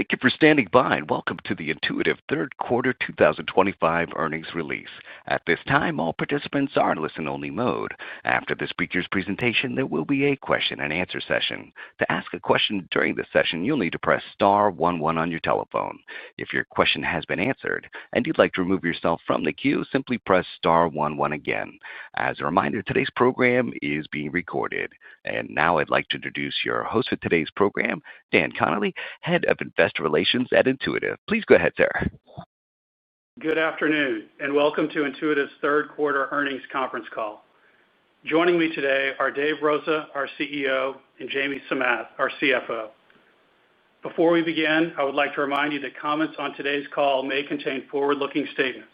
Thank you for standing by and welcome to the Intuitive Surgical third quarter 2025 earnings release. At this time, all participants are in listen-only mode. After the speaker's presentation, there will be a question and answer session. To ask a question during this session, you'll need to press star one, oneon your telephone. If your question has been answered and you'd like to remove yourself from the queue, simply press star 11 again. As a reminder, today's program is being recorded. Now I'd like to introduce your host for today's program, Dan Connally, Head of Investor Relations at Intuitive Surgical. Please go ahead, sir. Good afternoon and welcome to Intuitive Surgical's third quarter earnings conference call. Joining me today are Dave Rosa, our CEO, and Jamie Samath, our CFO. Before we begin, I would like to remind you that comments on today's call may contain forward-looking statements.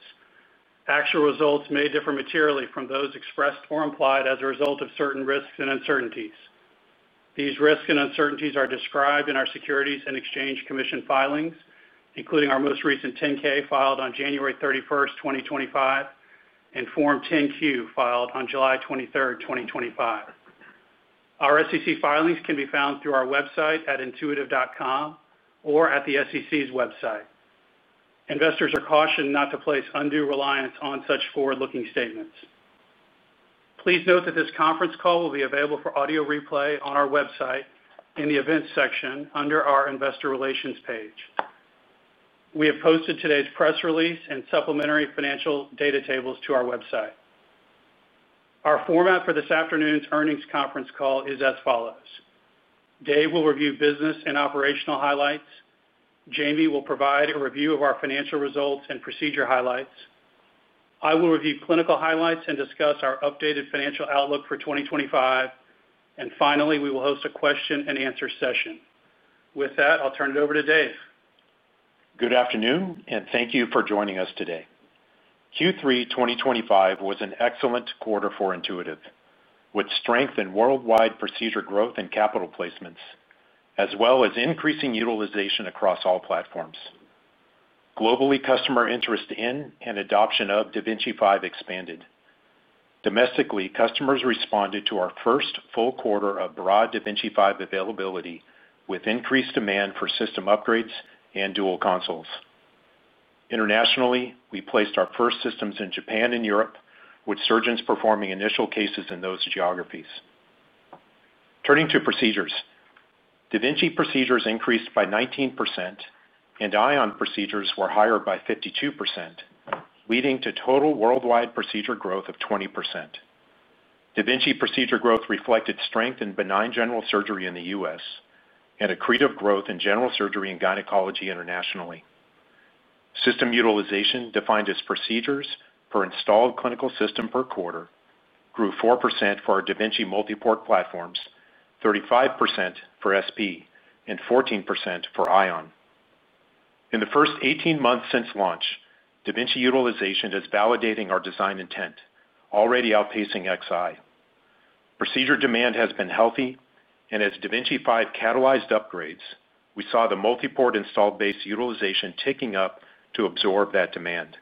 Actual results may differ materially from those expressed or implied as a result of certain risks and uncertainties. These risks and uncertainties are described in our Securities and Exchange Commission filings, including our most recent 10-K filed on January 31, 2025, and Form 10-Q filed on July 23, 2025. Our SEC filings can be found through our website at intuitive.com or at the SEC's website. Investors are cautioned not to place undue reliance on such forward-looking statements. Please note that this conference call will be available for audio replay on our website in the Events section under our Investor Relations page. We have posted today's press release and supplementary financial data tables to our website. Our format for this afternoon's earnings conference call is as follows. Dave will review business and operational highlights. Jamie will provide a review of our financial results and procedure highlights. I will review clinical highlights and discuss our updated financial outlook for 2025. Finally, we will host a question and answer session. With that, I'll turn it over to Dave. Good afternoon and thank you for joining us today. Q3 2025 was an excellent quarter for Intuitive Surgical, with strength in worldwide procedure growth and capital placements, as well as increasing utilization across all platforms. Globally, customer interest in and adoption of Da Vinci 5 expanded. Domestically, customers responded to our first full quarter of broad Da Vinci 5 availability, with increased demand for system upgrades and dual consoles. Internationally, we placed our first systems in Japan and Europe, with surgeons performing initial cases in those geographies. Turning to procedures, Da Vinci procedures increased by 19%, and Ion procedures were higher by 52%, leading to total worldwide procedure growth of 20%. Da Vinci procedure growth reflected strength in benign general surgery in the U.S. and accretive growth in general surgery and gynecology internationally. System utilization, defined as procedures per installed clinical system per quarter, grew 4% for our Da Vinci multiport platforms, 35% for SP, and 14% for Ion. In the first 18 months since launch, Da Vinci 5 utilization is validating our design intent, already outpacing Xi. Procedure demand has been healthy, and as Da Vinci 5 catalyzed upgrades, we saw the multiport installed base utilization ticking up to absorb that demand.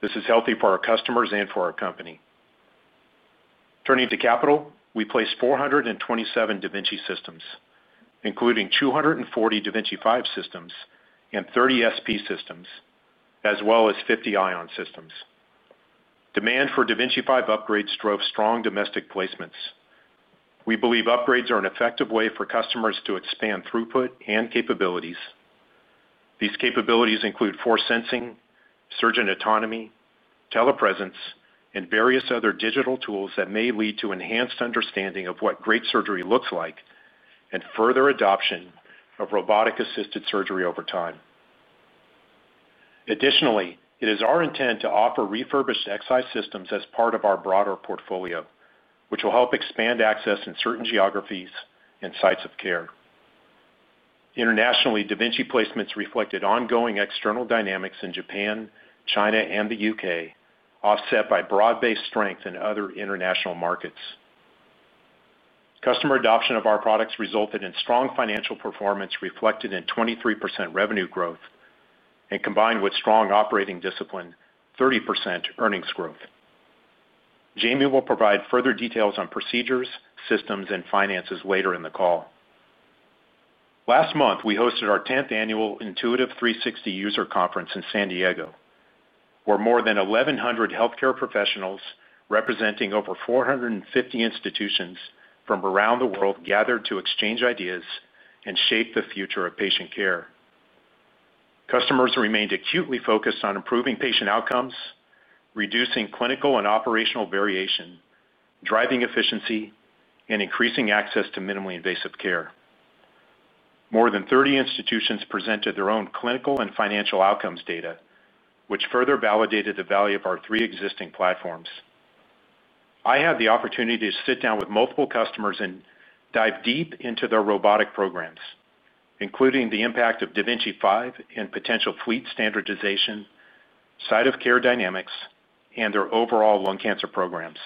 This is healthy for our customers and for our company. Turning to capital, we placed 427 Da Vinci systems, including 240 Da Vinci 5 systems and 30 SP systems, as well as 50 Ion systems. Demand for Da Vinci 5 upgrades drove strong domestic placements. We believe upgrades are an effective way for customers to expand throughput and capabilities. These capabilities include force sensing, surgeon autonomy, telepresence, and various other digital tools that may lead to enhanced understanding of what great surgery looks like and further adoption of robotic-assisted surgery over time. Additionally, it is our intent to offer refurbished Xi systems as part of our broader portfolio, which will help expand access in certain geographies and sites of care. Internationally, Da Vinci placements reflected ongoing external dynamics in Japan, China, and the U.K., offset by broad-based strength in other international markets. Customer adoption of our products resulted in strong financial performance reflected in 23% revenue growth and, combined with strong operating discipline, 30% earnings growth. Jamie Samath will provide further details on procedures, systems, and finances later in the call. Last month, we hosted our 10th annual Intuitive 360 User Conference in San Diego, where more than 1,100 healthcare professionals representing over 450 institutions from around the world gathered to exchange ideas and shape the future of patient care. Customers remained acutely focused on improving patient outcomes, reducing clinical and operational variation, driving efficiency, and increasing access to minimally invasive care. More than 30 institutions presented their own clinical and financial outcomes data, which further validated the value of our three existing platforms. I had the opportunity to sit down with multiple customers and dive deep into their robotic programs, including the impact of Da Vinci 5 and potential fleet standardization, site-of-care dynamics, and their overall lung cancer programs.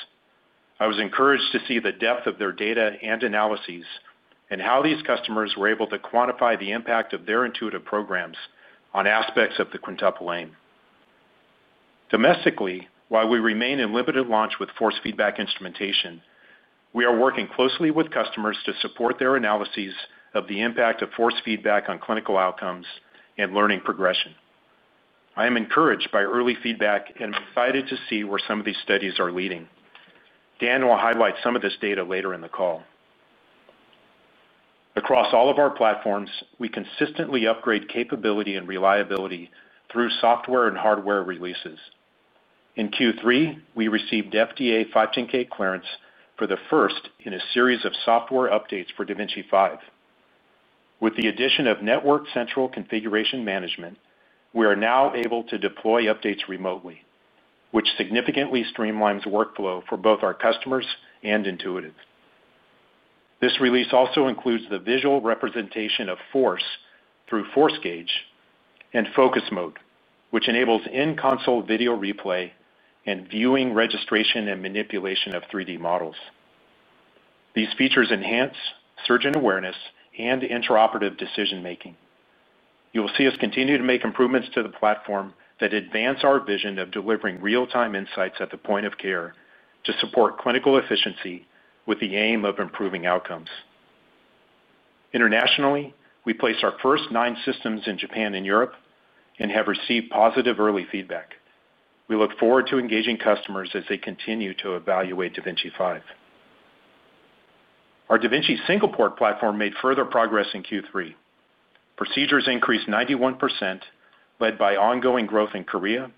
I was encouraged to see the depth of their data and analyses and how these customers were able to quantify the impact of their Intuitive programs on aspects of the quintuple lane. Domestically, while we remain in limited launch with force feedback instrumentation, we are working closely with customers to support their analyses of the impact of force feedback on clinical outcomes and learning progression. I am encouraged by early feedback and am excited to see where some of these studies are leading. Dan will highlight some of this data later in the call. Across all of our platforms, we consistently upgrade capability and reliability through software and hardware releases. In Q3, we received FDA 510(k) clearance for the first in a series of software updates for Da Vinci 5. With the addition of Network Central Configuration Management, we are now able to deploy updates remotely, which significantly streamlines workflow for both our customers and Intuitive. This release also includes the visual representation of force through Force Gauge and Focus Mode, which enables in-console video replay and viewing registration and manipulation of 3D models. These features enhance surgeon awareness and interoperative decision-making. You will see us continue to make improvements to the platform that advance our vision of delivering real-time insights at the point of care to support clinical efficiency with the aim of improving outcomes. Internationally, we placed our first nine systems in Japan and Europe and have received positive early feedback. We look forward to engaging customers as they continue to evaluate Da Vinci 5. Our Da Vinci SP platform made further progress in Q3. Procedures increased 91%, led by ongoing growth in Korea,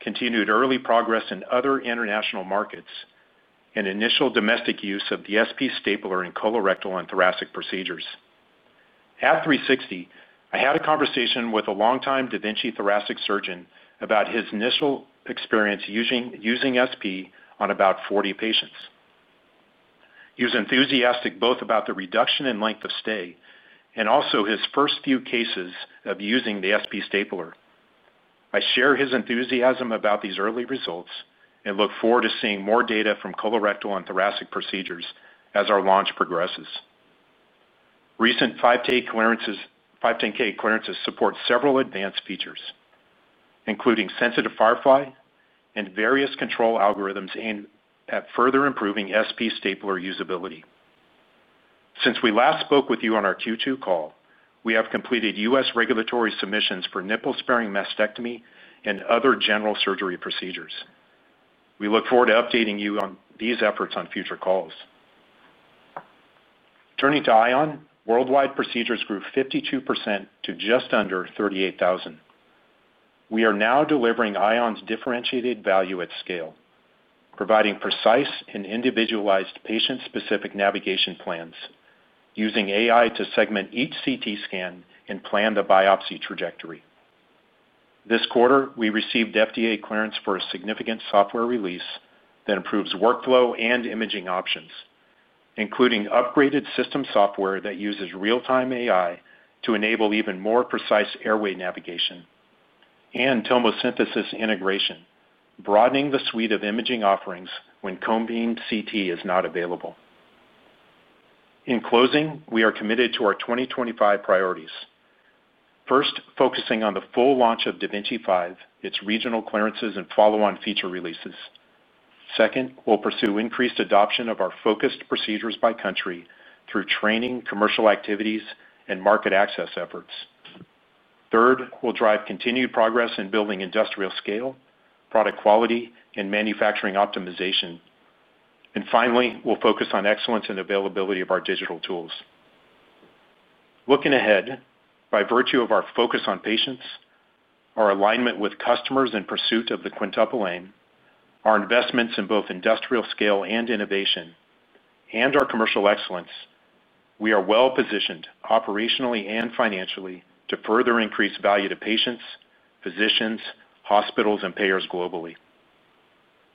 continued early progress in other international markets, and initial domestic use of the SP stapler in colorectal and thoracic procedures. At 360, I had a conversation with a longtime Da Vinci thoracic surgeon about his initial experience using SP on about 40 patients. He was enthusiastic both about the reduction in length of stay and also his first few cases of using the SP stapler. I share his enthusiasm about these early results and look forward to seeing more data from colorectal and thoracic procedures as our launch progresses. Recent 510(k) clearances support several advanced features, including sensitive Firefly and various control algorithms aimed at further improving SP stapler usability. Since we last spoke with you on our Q2 call, we have completed U.S. regulatory submissions for nipple-sparing mastectomy and other general surgery procedures. We look forward to updating you on these efforts on future calls. Turning to Ion, worldwide procedures grew 52% to just under 38,000. We are now delivering Ion's differentiated value at scale, providing precise and individualized patient-specific navigation plans, using AI to segment each CT scan and plan the biopsy trajectory. This quarter, we received FDA clearance for a significant software release that improves workflow and imaging options, including upgraded system software that uses real-time AI to enable even more precise airway navigation and tomosynthesis integration, broadening the suite of imaging offerings when cone beam CT is not available. In closing, we are committed to our 2025 priorities. First, focusing on the full launch of Da Vinci 5, its regional clearances, and follow-on feature releases. Second, we'll pursue increased adoption of our focused procedures by country through training, commercial activities, and market access efforts. Third, we'll drive continued progress in building industrial scale, product quality, and manufacturing optimization. Finally, we'll focus on excellence and availability of our digital tools. Looking ahead, by virtue of our focus on patients, our alignment with customers in pursuit of the quintuple lane, our investments in both industrial scale and innovation, and our commercial excellence, we are well positioned operationally and financially to further increase value to patients, physicians, hospitals, and payers globally.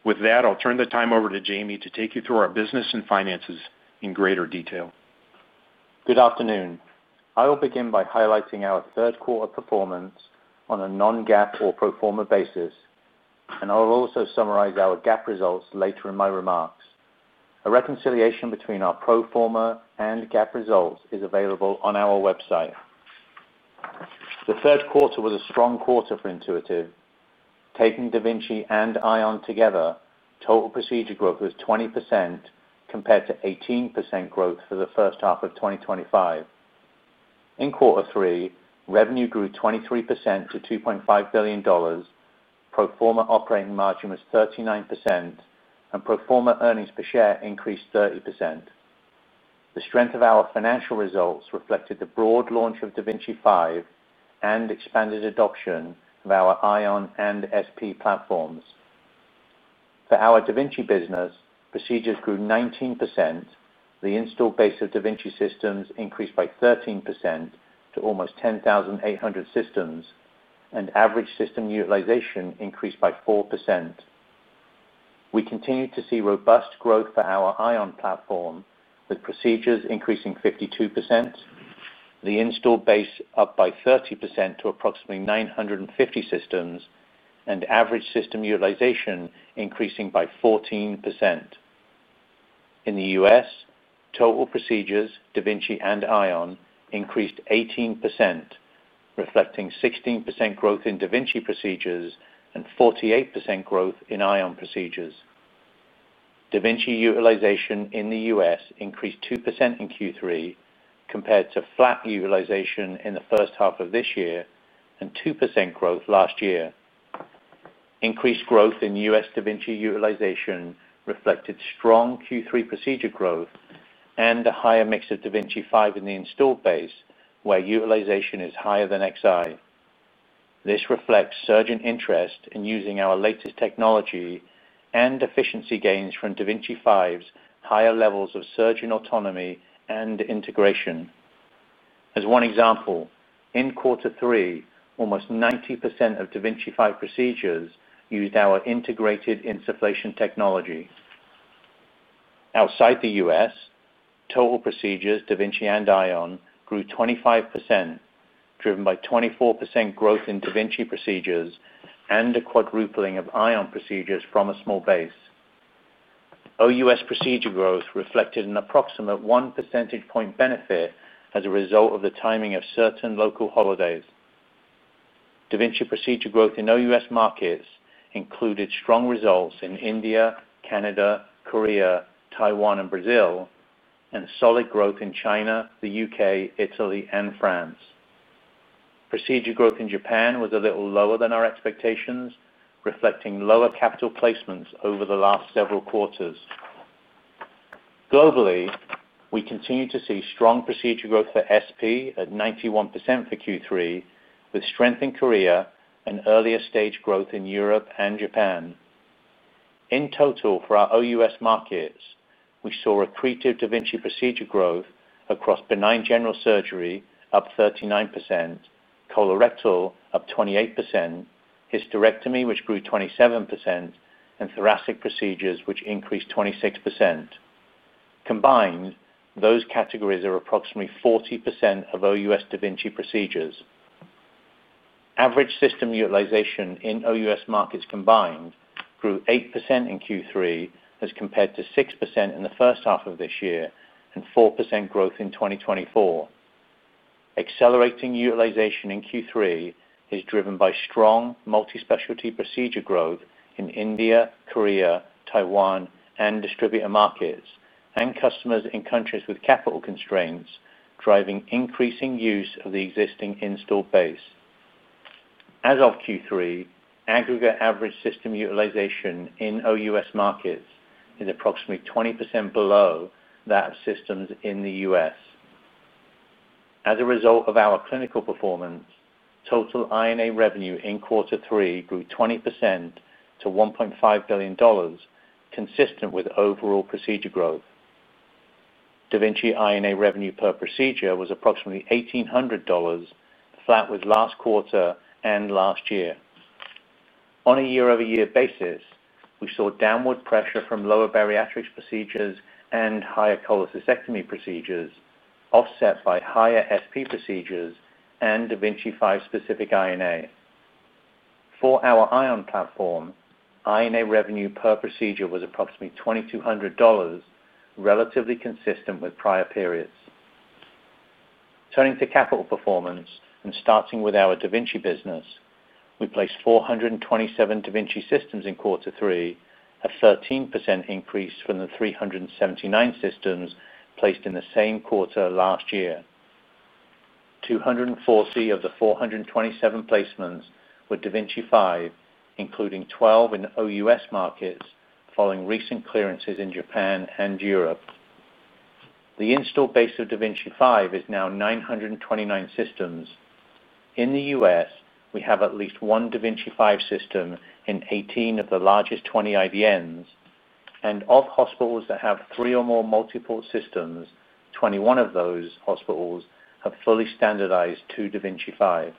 With that, I'll turn the time over to Jamie to take you through our business and finances in greater detail. Good afternoon. I will begin by highlighting our third quarter performance on a non-GAAP or pro forma basis, and I'll also summarize our GAAP results later in my remarks. A reconciliation between our pro forma and GAAP results is available on our website. The third quarter was a strong quarter for Intuitive Surgical. Taking Da Vinci and Ion together, total procedure growth was 20% compared to 18% growth for the first half of 2025. In quarter three, revenue grew 23% to $2.5 billion. Pro forma operating margin was 39%, and pro forma earnings per share increased 30%. The strength of our financial results reflected the broad launch of Da Vinci 5 and expanded adoption of our Ion and SP platforms. For our Da Vinci business, procedures grew 19%, the installed base of Da Vinci systems increased by 13% to almost 10,800 systems, and average system utilization increased by 4%. We continued to see robust growth for our Ion platform, with procedures increasing 52%, the installed base up by 30% to approximately 950 systems, and average system utilization increasing by 14%. In the U.S., total procedures, Da Vinci and Ion increased 18%, reflecting 16% growth in Da Vinci procedures and 48% growth in Ion procedures. Da Vinci utilization in the U.S. increased 2% in Q3 compared to flat utilization in the first half of this year and 2% growth last year. Increased growth in U.S. Da Vinci utilization reflected strong Q3 procedure growth and a higher mix of Da Vinci 5 in the installed base, where utilization is higher than Xi. This reflects surgeon interest in using our latest technology and efficiency gains from Da Vinci 5's higher levels of surgeon autonomy and integration. As one example, in quarter three, almost 90% of Da Vinci 5 procedures used our integrated insufflation technology. Outside the U.S., total procedures, Da Vinci and Ion grew 25%, driven by 24% growth in Da Vinci procedures and a quadrupling of Ion procedures from a small base. OUS procedure growth reflected an approximate 1 percentage point benefit as a result of the timing of certain local holidays. Da Vinci procedure growth in OUS markets included strong results in India, Canada, Korea, Taiwan, and Brazil, and solid growth in China, the UK, Italy, and France. Procedure growth in Japan was a little lower than our expectations, reflecting lower capital placements over the last several quarters. Globally, we continue to see strong procedure growth for SP at 91% for Q3, with strength in Korea and earlier stage growth in Europe and Japan. In total, for our OUS markets, we saw accretive Da Vinci procedure growth across benign general surgery up 39%, colorectal up 28%, hysterectomy, which grew 27%, and thoracic procedures, which increased 26%. Combined, those categories are approximately 40% of OUS Da Vinci procedures. Average system utilization in OUS markets combined grew 8% in Q3 as compared to 6% in the first half of this year and 4% growth in 2024. Accelerating utilization in Q3 is driven by strong multi-specialty procedure growth in India, Korea, Taiwan, and distributor markets, and customers in countries with capital constraints driving increasing use of the existing installed base. As of Q3, aggregate average system utilization in OUS markets is approximately 20% below that of systems in the U.S. As a result of our clinical performance, total INA revenue in quarter three grew 20% to $1.5 billion, consistent with overall procedure growth. Da Vinci INA revenue per procedure was approximately $1,800, flat with last quarter and last year. On a year-over-year basis, we saw downward pressure from lower bariatrics procedures and higher cholecystectomy procedures, offset by higher SP procedures and Da Vinci 5 specific INA. For our Ion platform, INA revenue per procedure was approximately $2,200, relatively consistent with prior periods. Turning to capital performance and starting with our Da Vinci business, we placed 427 Da Vinci systems in quarter three, a 13% increase from the 379 systems placed in the same quarter last year. 204 of the 427 placements were Da Vinci 5, including 12 in OUS markets following recent clearances in Japan and Europe. The installed base of Da Vinci 5 is now 929 systems. In the U.S., we have at least one Da Vinci 5 system in 18 of the largest 20 IVNs, and of hospitals that have three or more multiport systems, 21 of those hospitals have fully standardized to Da Vinci 5.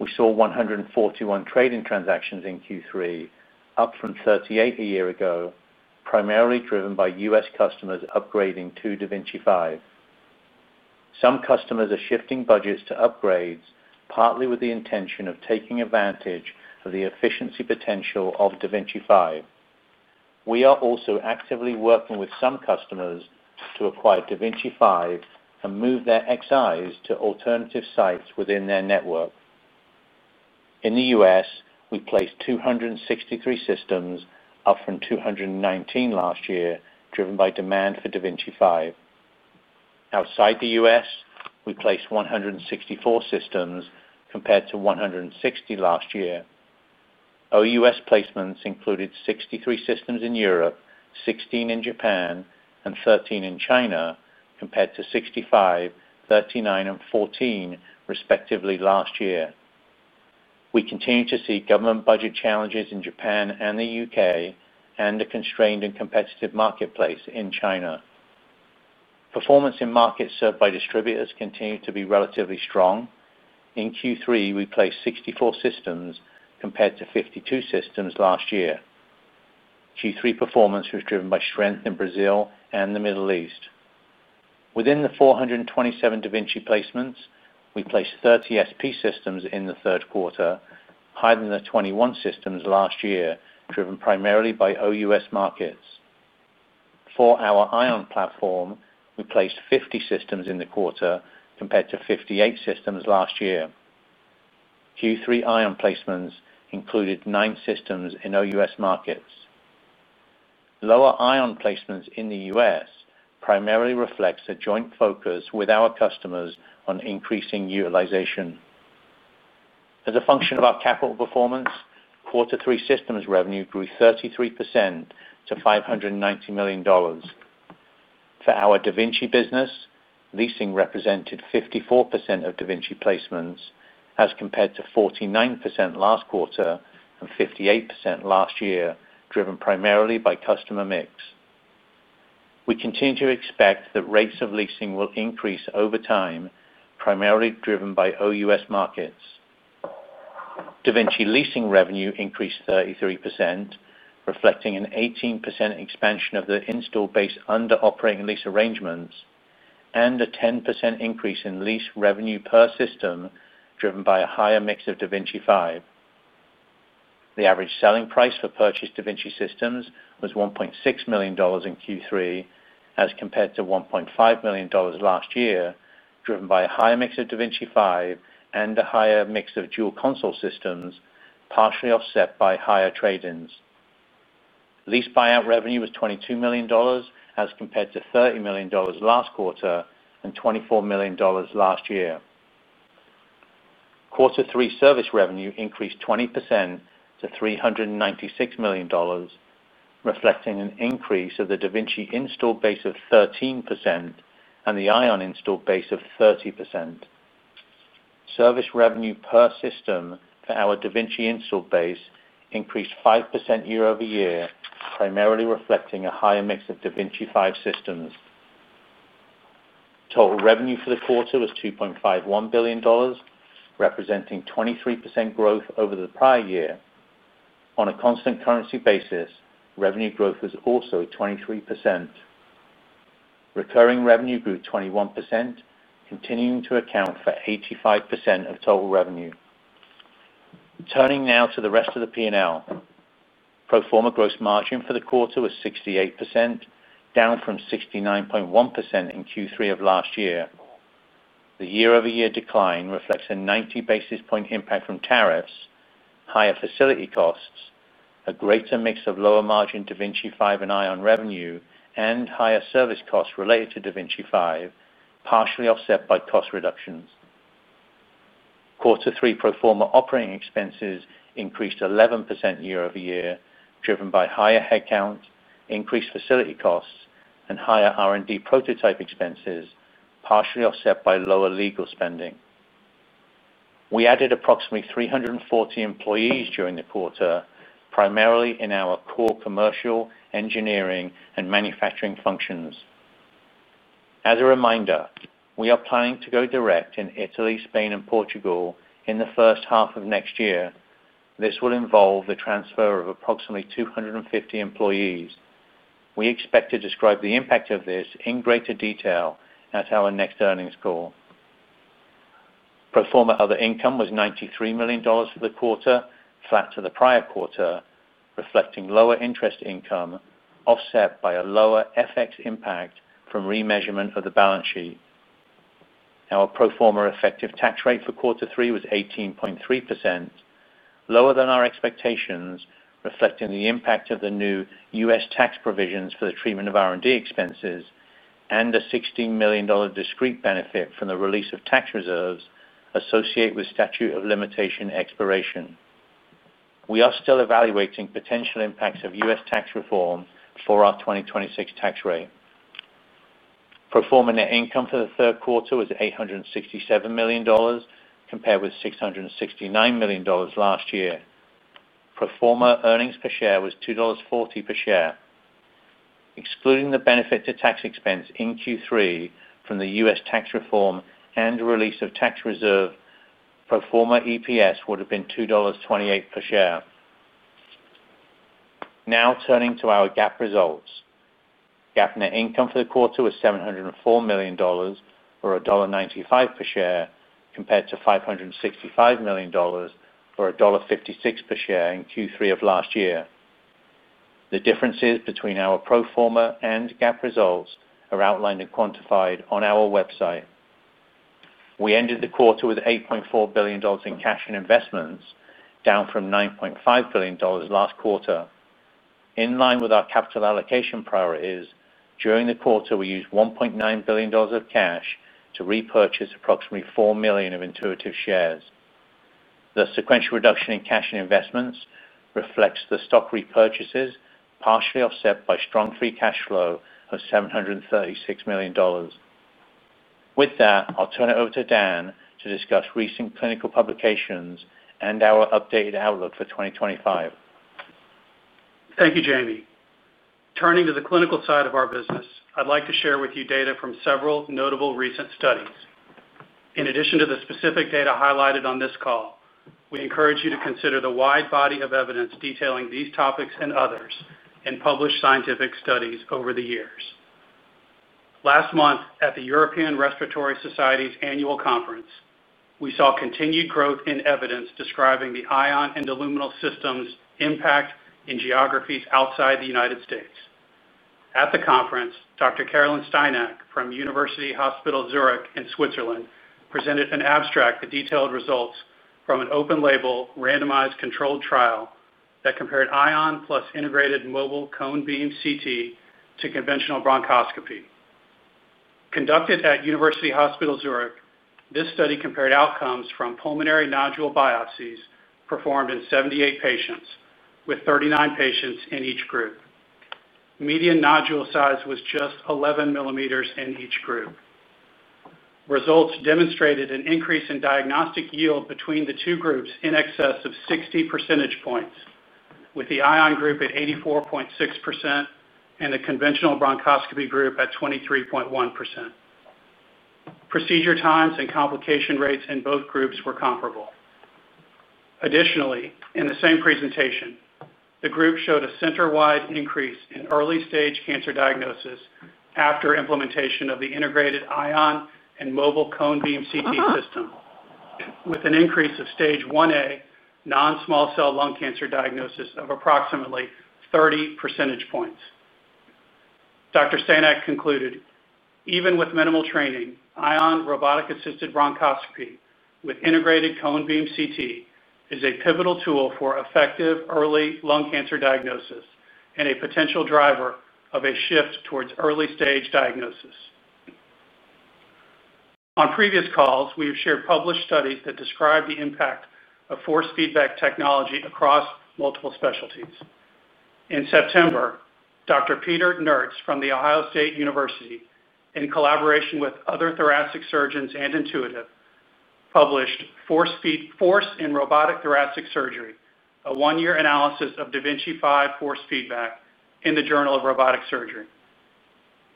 We saw 141 trading transactions in Q3, up from 38 a year ago, primarily driven by U.S. customers upgrading to Da Vinci 5. Some customers are shifting budgets to upgrades, partly with the intention of taking advantage of the efficiency potential of Da Vinci 5. We are also actively working with some customers to acquire Da Vinci 5 and move their Xis to alternative sites within their network. In the U.S., we placed 263 systems, up from 219 last year, driven by demand for Da Vinci 5. Outside the U.S., we placed 164 systems compared to 160 last year. OUS placements included 63 systems in Europe, 16 in Japan, and 13 in China, compared to 65, 39, and 14, respectively, last year. We continue to see government budget challenges in Japan and the U.K. and a constrained and competitive marketplace in China. Performance in markets served by distributors continued to be relatively strong. In Q3, we placed 64 systems compared to 52 systems last year. Q3 performance was driven by strength in Brazil and the Middle East. Within the 427 Da Vinci placements, we placed 30 SP systems in the third quarter, higher than the 21 systems last year, driven primarily by OUS markets. For our Ion platform, we placed 50 systems in the quarter compared to 58 systems last year. Q3 Ion placements included nine systems in OUS markets. Lower Ion placements in the U.S. primarily reflect a joint focus with our customers on increasing utilization. As a function of our capital performance, quarter three systems revenue grew 33% to $590 million. For our Da Vinci business, leasing represented 54% of Da Vinci placements as compared to 49% last quarter and 58% last year, driven primarily by customer mix. We continue to expect that rates of leasing will increase over time, primarily driven by OUS markets. Da Vinci leasing revenue increased 33%, reflecting an 18% expansion of the installed base under operating lease arrangements and a 10% increase in lease revenue per system, driven by a higher mix of Da Vinci 5. The average selling price for purchased Da Vinci systems was $1.6 million in Q3, as compared to $1.5 million last year, driven by a higher mix of Da Vinci 5 and a higher mix of dual console systems, partially offset by higher trade-ins. Lease buyout revenue was $22 million, as compared to $30 million last quarter and $24 million last year. Quarter three service revenue increased 20% to $396 million, reflecting an increase of the Da Vinci installed base of 13% and the Ion installed base of 30%. Service revenue per system for our Da Vinci installed base increased 5% year over year, primarily reflecting a higher mix of Da Vinci 5 systems. Total revenue for the quarter was $2.51 billion, representing 23% growth over the prior year. On a constant currency basis, revenue growth was also 23%. Recurring revenue grew 21%, continuing to account for 85% of total revenue. Turning now to the rest of the P&L, pro forma gross margin for the quarter was 68%, down from 69.1% in Q3 of last year. The year-over-year decline reflects a 90 basis point impact from tariffs, higher facility costs, a greater mix of lower margin Da Vinci 5 and Ion revenue, and higher service costs related to Da Vinci 5, partially offset by cost reductions. Quarter three pro forma operating expenses increased 11% year over year, driven by higher headcount, increased facility costs, and higher R&D prototype expenses, partially offset by lower legal spending. We added approximately 340 employees during the quarter, primarily in our core commercial, engineering, and manufacturing functions. As a reminder, we are planning to go direct in Italy, Spain, and Portugal in the first half of next year. This will involve the transfer of approximately 250 employees. We expect to describe the impact of this in greater detail at our next earnings call. Pro forma other income was $93 million for the quarter, flat to the prior quarter, reflecting lower interest income offset by a lower FX impact from remeasurement of the balance sheet. Our pro forma effective tax rate for quarter three was 18.3%, lower than our expectations, reflecting the impact of the new U.S. tax provisions for the treatment of R&D expenses and a $16 million discrete benefit from the release of tax reserves associated with statute of limitation expiration. We are still evaluating potential impacts of U.S. tax reform for our 2026 tax rate. Pro forma net income for the third quarter was $867 million, compared with $669 million last year. Pro forma earnings per share was $2.40 per share. Excluding the benefit to tax expense in Q3 from the U.S. tax reform and release of tax reserve, pro forma EPS would have been $2.28 per share. Now turning to our GAAP results, GAAP net income for the quarter was $704 million, or $1.95 per share, compared to $565 million, or $1.56 per share in Q3 of last year. The differences between our pro forma and GAAP results are outlined and quantified on our website. We ended the quarter with $8.4 billion in cash and investments, down from $9.5 billion last quarter. In line with our capital allocation priorities, during the quarter, we used $1.9 billion of cash to repurchase approximately 4 million of Intuitive shares. The sequential reduction in cash and investments reflects the stock repurchases, partially offset by strong free cash flow of $736 million. With that, I'll turn it over to Dan to discuss recent clinical publications and our updated outlook for 2025. Thank you, Jamie. Turning to the clinical side of our business, I'd like to share with you data from several notable recent studies. In addition to the specific data highlighted on this call, we encourage you to consider the wide body of evidence detailing these topics and others in published scientific studies over the years. Last month, at the European Respiratory Society's annual conference, we saw continued growth in evidence describing the Ion and Illuminal systems' impact in geographies outside the U.S. At the conference, Dr. Carolyn Steinack from University Hospital Zurich in Switzerland presented an abstract that detailed results from an open-label, randomized controlled trial that compared Ion plus integrated mobile cone beam CT to conventional bronchoscopy. Conducted at University Hospital Zurich, this study compared outcomes from pulmonary nodule biopsies performed in 78 patients, with 39 patients in each group. Median nodule size was just 11 millimeters in each group. Results demonstrated an increase in diagnostic yield between the two groups in excess of 60 percentage points, with the Ion group at 84.6% and the conventional bronchoscopy group at 23.1%. Procedure times and complication rates in both groups were comparable. Additionally, in the same presentation, the group showed a center-wide increase in early-stage cancer diagnosis after implementation of the integrated Ion and mobile cone beam CT system, with an increase of stage 1A non-small cell lung cancer diagnosis of approximately 30 percentage points. Dr. Steinack concluded, even with minimal training, Ion robotic-assisted bronchoscopy with integrated cone beam CT is a pivotal tool for effective early lung cancer diagnosis and a potential driver of a shift towards early-stage diagnosis. On previous calls, we have shared published studies that describe the impact of force feedback technology across multiple specialties. In September, Dr. Peter Nertz from The Ohio State University, in collaboration with other thoracic surgeons and Intuitive Surgical, published Force in Robotic Thoracic Surgery, a one-year analysis of Da Vinci 5 force feedback in the Journal of Robotic Surgery.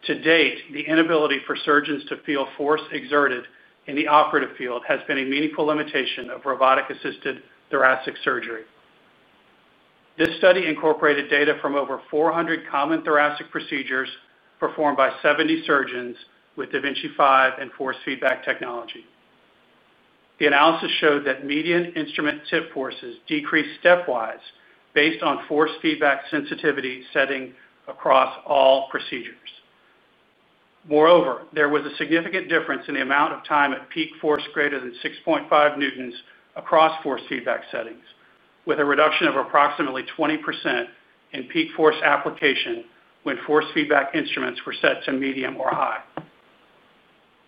To date, the inability for surgeons to feel force exerted in the operative field has been a meaningful limitation of robotic-assisted thoracic surgery. This study incorporated data from over 400 common thoracic procedures performed by 70 surgeons with Da Vinci 5 and force feedback technology. The analysis showed that median instrument tip forces decreased stepwise based on force feedback sensitivity setting across all procedures. Moreover, there was a significant difference in the amount of time at peak force greater than 6.5 newtons across force feedback settings, with a reduction of approximately 20% in peak force application when force feedback instruments were set to medium or high.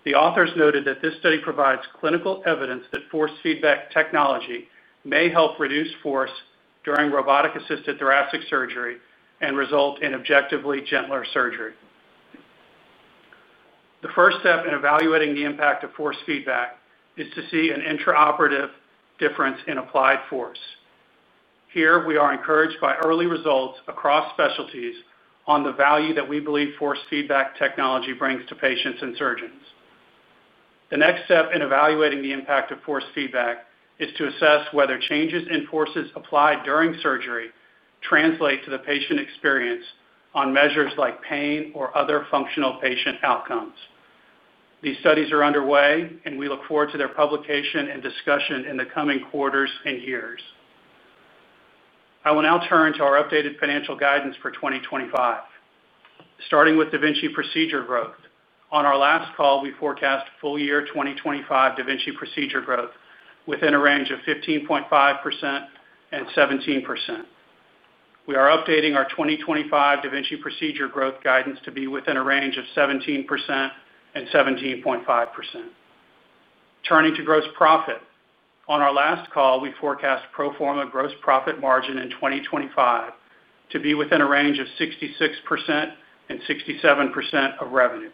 The authors noted that this study provides clinical evidence that force feedback technology may help reduce force during robotic-assisted thoracic surgery and result in objectively gentler surgery. The first step in evaluating the impact of force feedback is to see an intraoperative difference in applied force. Here, we are encouraged by early results across specialties on the value that we believe force feedback technology brings to patients and surgeons. The next step in evaluating the impact of force feedback is to assess whether changes in forces applied during surgery translate to the patient experience on measures like pain or other functional patient outcomes. These studies are underway, and we look forward to their publication and discussion in the coming quarters and years. I will now turn to our updated financial guidance for 2025. Starting with Da Vinci procedure growth, on our last call, we forecast full-year 2025 Da Vinci procedure growth within a range of 15.5% and 17%. We are updating our 2025 Da Vinci procedure growth guidance to be within a range of 17% and 17.5%. Turning to gross profit, on our last call, we forecast pro forma gross profit margin in 2025 to be within a range of 66% and 67% of revenue.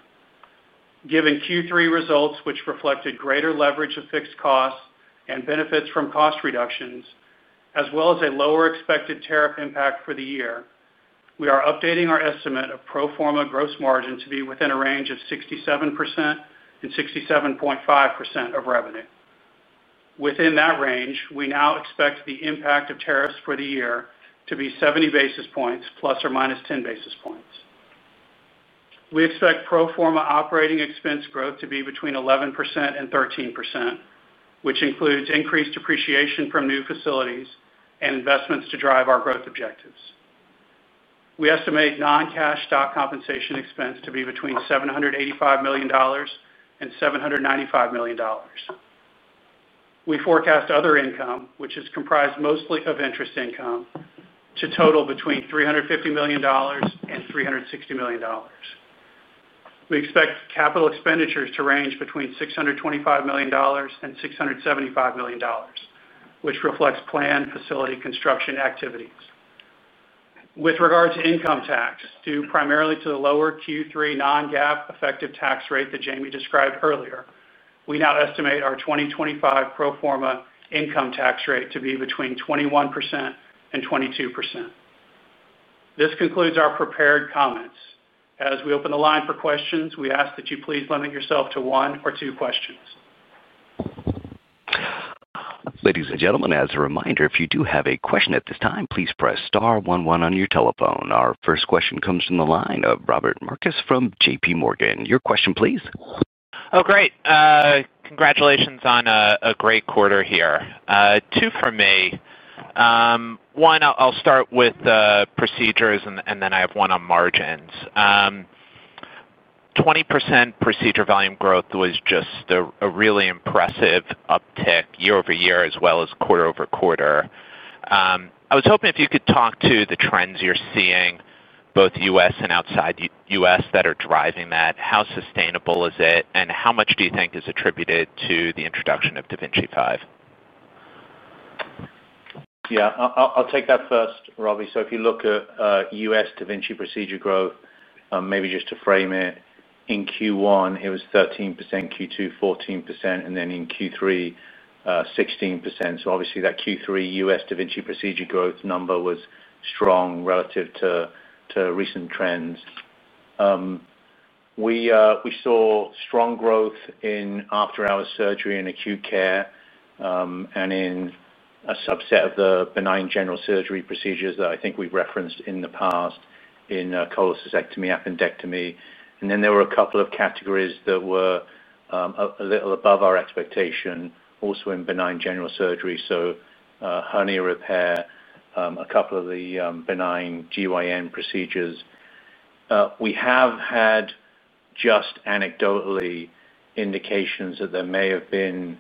Given Q3 results, which reflected greater leverage of fixed costs and benefits from cost reductions, as well as a lower expected tariff impact for the year, we are updating our estimate of pro forma gross margin to be within a range of 67% and 67.5% of revenue. Within that range, we now expect the impact of tariffs for the year to be 70 basis points plus or minus 10 basis points. We expect pro forma operating expense growth to be between 11% and 13%, which includes increased depreciation from new facilities and investments to drive our growth objectives. We estimate non-cash stock compensation expense to be between $785 million and $795 million. We forecast other income, which is comprised mostly of interest income, to total between $350 million and $360 million. We expect capital expenditures to range between $625 million and $675 million, which reflects planned facility construction activities. With regard to income tax, due primarily to the lower Q3 non-GAAP effective tax rate that Jamie described earlier, we now estimate our 2025 pro forma income tax rate to be between 21% and 22%. This concludes our prepared comments. As we open the line for questions, we ask that you please limit yourself to one or two questions. Ladies and gentlemen, as a reminder, if you do have a question at this time, please press star 11 on your telephone. Our first question comes from the line of Robbie Marcus from JPMorgan. Your question, please. Oh, great. Congratulations on a great quarter here. Two from me. One, I'll start with procedures, and then I have one on margins. 20% procedure volume growth was just a really impressive uptick year over year, as well as quarter over quarter. I was hoping if you could talk to the trends you're seeing, both U.S. and outside U.S., that are driving that. How sustainable is it, and how much do you think is attributed to the introduction of Da Vinci 5? Yeah, I'll take that first, Robbie. If you look at U.S. Da Vinci procedure growth, maybe just to frame it, in Q1, it was 13%, Q2 14%, and then in Q3, 16%. Obviously, that Q3 U.S. Da Vinci procedure growth number was strong relative to recent trends. We saw strong growth in after-hours surgery and acute care, and in a subset of the benign general surgery procedures that I think we've referenced in the past, in cholecystectomy, appendectomy. There were a couple of categories that were a little above our expectation, also in benign general surgery, so hernia repair, a couple of the benign GYN procedures. We have had just anecdotally indications that there may have been,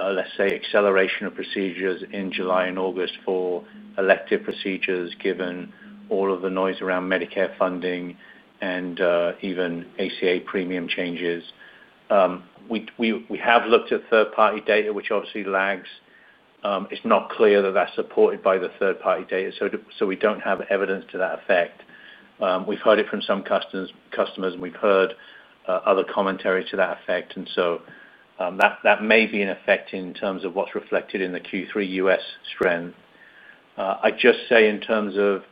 let's say, acceleration of procedures in July and August for elective procedures, given all of the noise around Medicare funding and even ACA premium changes. We have looked at third-party data, which obviously lags. It's not clear that that's supported by the third-party data. We don't have evidence to that effect. We've heard it from some customers, and we've heard other commentary to that effect. That may be an effect in terms of what's reflected in the Q3 U.S. strength. I'd just say in terms of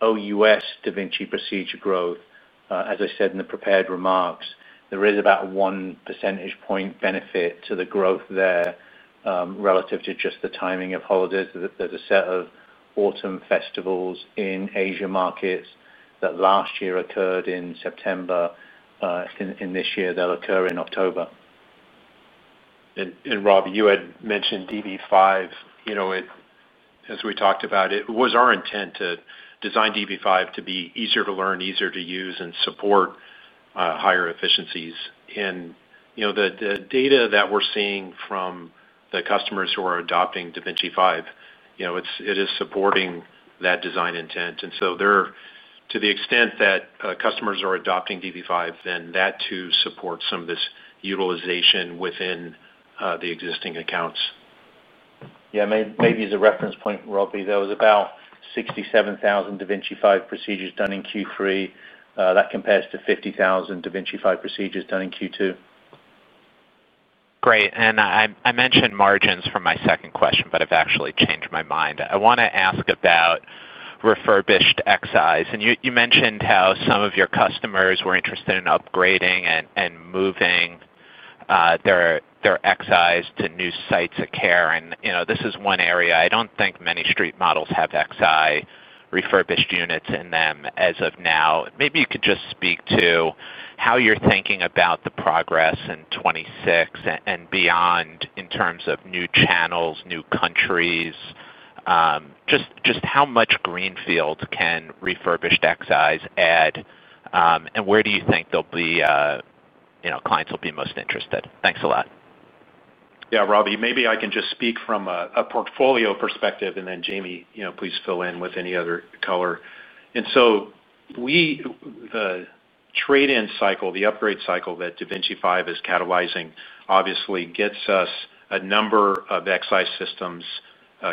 OUS Da Vinci procedure growth, as I said in the prepared remarks, there is about one percentage point benefit to the growth there, relative to just the timing of holidays. There's a set of autumn festivals in Asia markets that last year occurred in September. In this year, they'll occur in October. Rob, you had mentioned Da Vinci 5. As we talked about it, it was our intent to design Da Vinci 5 to be easier to learn, easier to use, and support higher efficiencies. The data that we're seeing from the customers who are adopting Da Vinci 5 is supporting that design intent. To the extent that customers are adopting Da Vinci 5, that too supports some of this utilization within the existing accounts. Yeah, maybe as a reference point, Robbie, there was about 67,000 Da Vinci 5 procedures done in Q3. That compares to 50,000 Da Vinci 5 procedures done in Q2. Great. I mentioned margins for my second question, but I've actually changed my mind. I want to ask about refurbished Xis. You mentioned how some of your customers were interested in upgrading and moving their Xis to new sites of care. This is one area I don't think many street models have Xi refurbished units in them as of now. Maybe you could just speak to how you're thinking about the progress in 2026 and beyond in terms of new channels, new countries. Just how much greenfield can refurbished Xis add, and where do you think they'll be, you know, clients will be most interested? Thanks a lot. Yeah, Robbie, maybe I can just speak from a portfolio perspective, and then Jamie, you know, please fill in with any other color. The trade-in cycle, the upgrade cycle that Da Vinci 5 is catalyzing, obviously gets us a number of Xi systems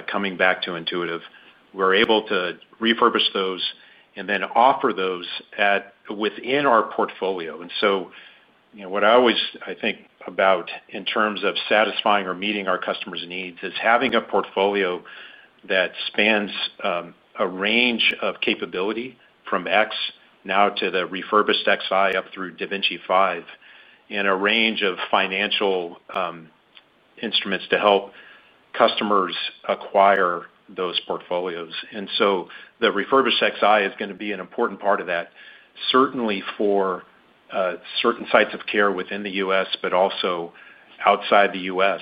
coming back to Intuitive Surgical. We're able to refurbish those and then offer those within our portfolio. What I always think about in terms of satisfying or meeting our customers' needs is having a portfolio that spans a range of capability from SP now to the refurbished Xi up through Da Vinci 5 and a range of financial instruments to help customers acquire those portfolios. The refurbished Xi is going to be an important part of that, certainly for certain sites of care within the U.S., but also outside the U.S.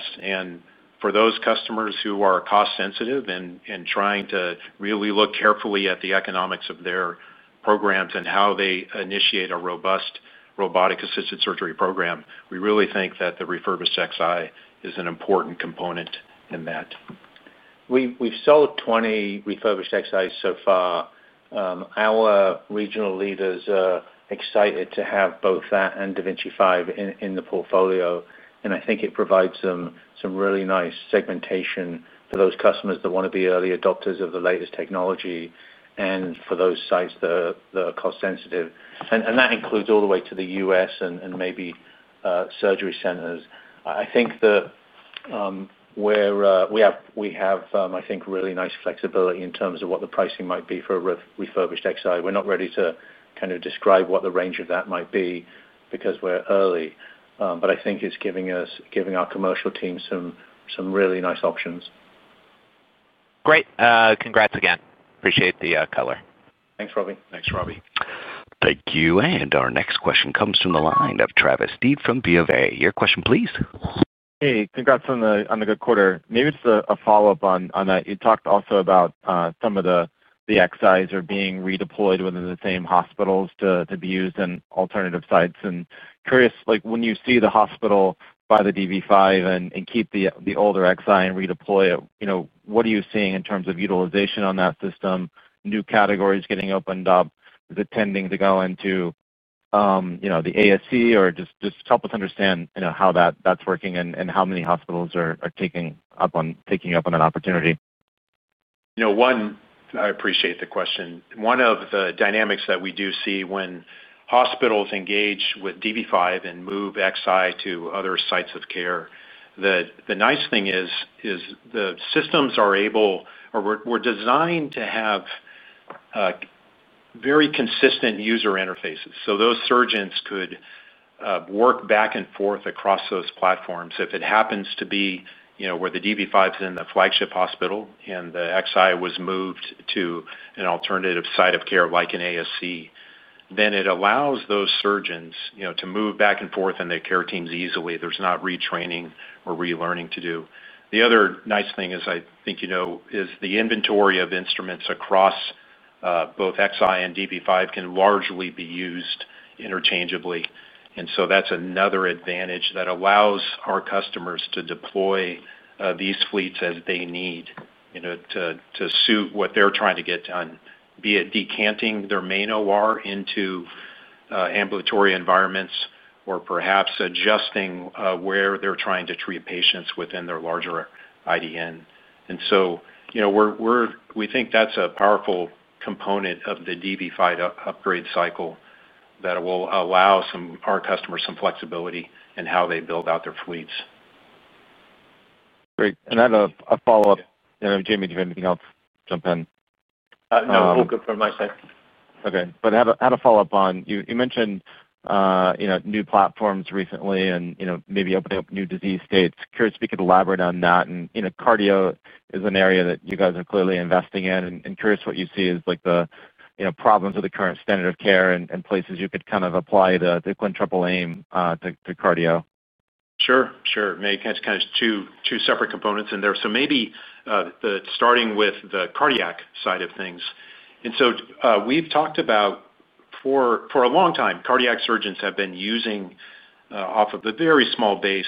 For those customers who are cost-sensitive and trying to really look carefully at the economics of their programs and how they initiate a robust robotic-assisted surgery program, we really think that the refurbished Xi is an important component in that. We've sold 20 refurbished Xi systems so far. Our regional leaders are excited to have both that and Da Vinci 5 in the portfolio. I think it provides some really nice segmentation for those customers that want to be early adopters of the latest technology and for those sites that are cost-sensitive. That includes all the way to the U.S. and maybe ambulatory surgery centers. I think we have really nice flexibility in terms of what the pricing might be for a refurbished Xi. We're not ready to describe what the range of that might be because we're early, but I think it's giving our commercial team some really nice options. Great. Congrats again. Appreciate the color. Thanks, Robbie. Thank you. Our next question comes from the line of Travis Steed from Bank of America Securities. Your question, please. Hey, congrats on the good quarter. Maybe it's a follow-up on that. You talked also about some of the Xis are being redeployed within the same hospitals to be used in alternative sites. Curious, when you see the hospital buy the Da Vinci 5 and keep the older Xi and redeploy it, what are you seeing in terms of utilization on that system? New categories getting opened up? Is it tending to go into the ambulatory surgery centers? Just help us understand how that's working and how many hospitals are taking up on an opportunity. I appreciate the question. One of the dynamics that we do see when hospitals engage with Da Vinci 5 and move Xi to other sites of care, the nice thing is the systems are able, or were designed to have very consistent user interfaces. So those surgeons could work back and forth across those platforms. If it happens to be where the Da Vinci 5 is in the flagship hospital and the Xi was moved to an alternative site of care like an ambulatory surgery center, then it allows those surgeons to move back and forth in their care teams easily. There's not retraining or relearning to do. The other nice thing is, I think you know, is the inventory of instruments across both Xi and Da Vinci 5 can largely be used interchangeably. That's another advantage that allows our customers to deploy these fleets as they need to suit what they're trying to get done, be it decanting their main OR into ambulatory environments or perhaps adjusting where they're trying to treat patients within their larger IDN. We think that's a powerful component of the Da Vinci 5 upgrade cycle that will allow some of our customers some flexibility in how they build out their fleets. Great. I have a follow-up. Jamie, do you have anything else? Jump in. No, all good from my side. I have a follow-up on you mentioned new platforms recently and maybe opening up new disease states. Curious if you could elaborate on that. Cardio is an area that you guys are clearly investing in. Curious what you see as the problems of the current standard of care and places you could kind of apply the quintuple aim to cardio. Sure. It's kind of two separate components in there. Maybe, starting with the cardiac side of things. We've talked about for a long time, cardiac surgeons have been using, off of a very small base,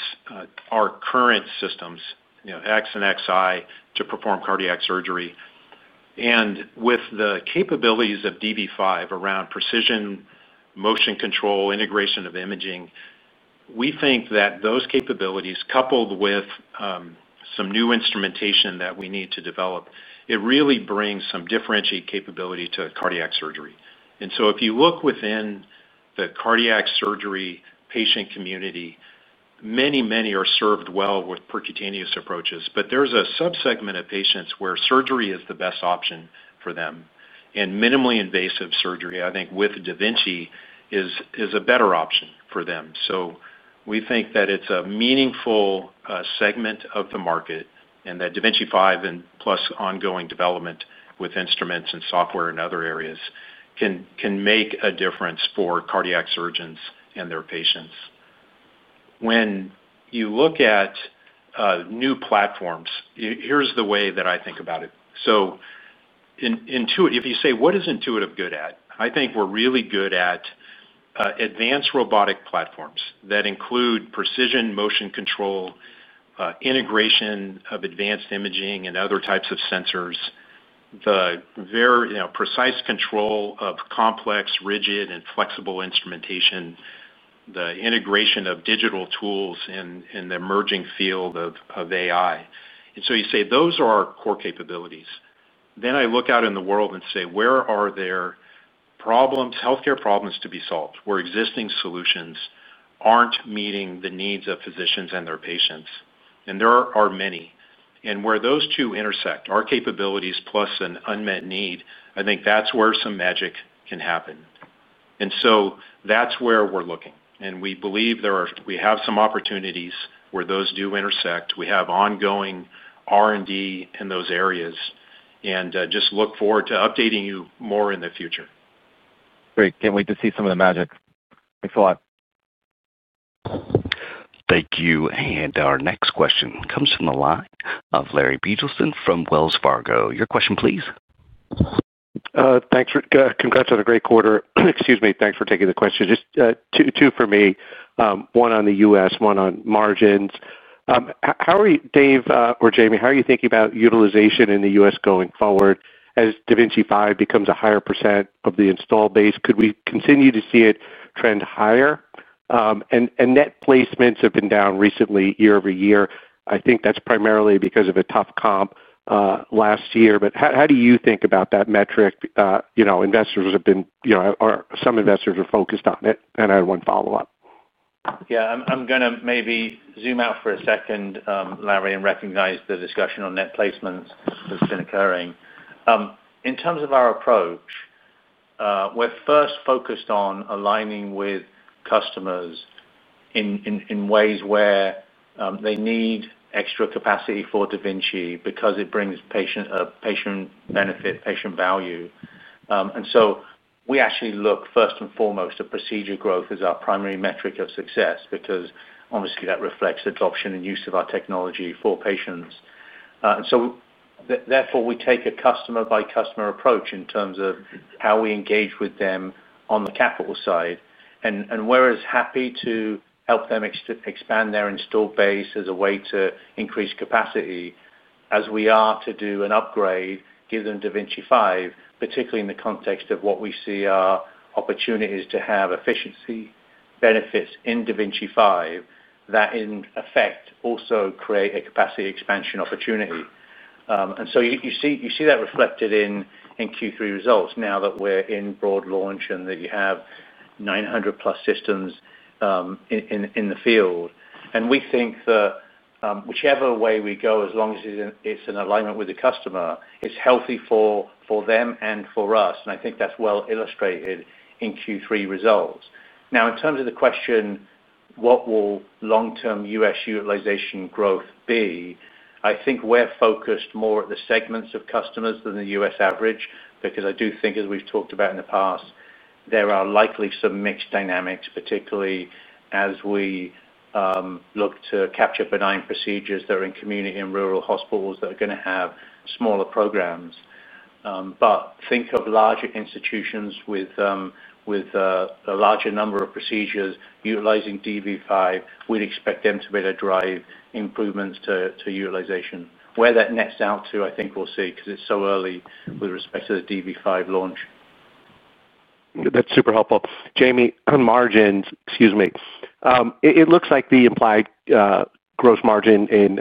our current systems, you know, X and Xi to perform cardiac surgery. With the capabilities of Da Vinci 5 around precision motion control, integration of imaging, we think that those capabilities coupled with some new instrumentation that we need to develop really bring some differentiated capability to cardiac surgery. If you look within the cardiac surgery patient community, many are served well with percutaneous approaches. There's a subsegment of patients where surgery is the best option for them. Minimally invasive surgery, I think, with Da Vinci is a better option for them. We think that it's a meaningful segment of the market and that Da Vinci 5, plus ongoing development with instruments and software in other areas, can make a difference for cardiac surgeons and their patients. When you look at new platforms, here's the way that I think about it. If you say, what is Intuitive good at? I think we're really good at advanced robotic platforms that include precision motion control, integration of advanced imaging and other types of sensors, the very precise control of complex, rigid, and flexible instrumentation, the integration of digital tools in the emerging field of AI. You say those are our core capabilities. Then I look out in the world and say, where are there healthcare problems to be solved where existing solutions aren't meeting the needs of physicians and their patients? There are many. Where those two intersect, our capabilities plus an unmet need, I think that's where some magic can happen. That's where we're looking. We believe we have some opportunities where those do intersect. We have ongoing R&D in those areas and just look forward to updating you more in the future. Great. Can't wait to see some of the magic. Thanks a lot. Thank you. Our next question comes from the line of Larry Biegelsen from Wells Fargo. Your question, please. Thanks. Congrats on a great quarter. Excuse me. Thanks for taking the question. Just two for me, one on the U.S., one on margins. How are you, Dave, or Jamie? How are you thinking about utilization in the U.S. going forward? As Da Vinci 5 becomes a higher % of the installed base, could we continue to see it trend higher? Net placements have been down recently year over year. I think that's primarily because of a tough comp last year. How do you think about that metric? Some investors are focused on it. I had one follow-up. Yeah, I'm going to maybe zoom out for a second, Larry, and recognize the discussion on net placements that's been occurring. In terms of our approach, we're first focused on aligning with customers in ways where they need extra capacity for Da Vinci because it brings patient benefit, patient value. We actually look first and foremost at procedure growth as our primary metric of success because obviously that reflects adoption and use of our technology for patients. Therefore, we take a customer-by-customer approach in terms of how we engage with them on the capital side. We're as happy to help them expand their installed base as a way to increase capacity as we are to do an upgrade, give them Da Vinci 5, particularly in the context of what we see are opportunities to have efficiency benefits in Da Vinci 5 that in effect also create a capacity expansion opportunity. You see that reflected in Q3 results now that we're in broad launch and that you have 900-plus systems in the field. We think that whichever way we go, as long as it's in alignment with the customer, it's healthy for them and for us. I think that's well illustrated in Q3 results. Now, in terms of the question, what will long-term U.S. utilization growth be? I think we're focused more at the segments of customers than the U.S. average because I do think, as we've talked about in the past, there are likely some mixed dynamics, particularly as we look to capture benign procedures that are in community and rural hospitals that are going to have smaller programs. Think of larger institutions with a larger number of procedures utilizing Da Vinci 5. We'd expect them to be able to drive improvements to utilization. Where that nets out to, I think we'll see because it's so early with respect to the Da Vinci 5 launch. That's super helpful. Jamie, on margins, excuse me, it looks like the implied gross margin in